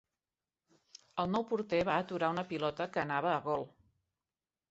El nou porter va aturar una pilota que anava a gol.